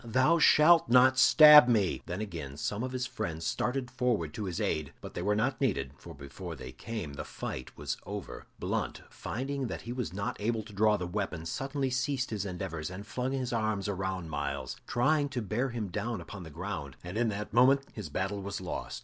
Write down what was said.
"Thou shalt not stab me!" Then again some of his friends started forward to his aid, but they were not needed, for before they came, the fight was over. Blunt, finding that he was not able to draw the weapon, suddenly ceased his endeavors, and flung his arms around Myles, trying to bear him down upon the ground, and in that moment his battle was lost.